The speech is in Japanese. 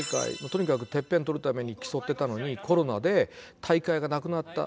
とにかくてっぺんを取るために競ってたのにコロナで大会がなくなった。